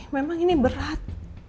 memang ini berat